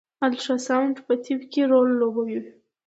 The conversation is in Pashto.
الټراساونډ په طب کی مهم رول لوبوي